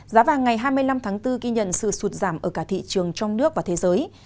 giá vàng ngày hai mươi năm tháng bốn ghi nhận sự sụt giảm ở cả thị trường trong nước và thế giới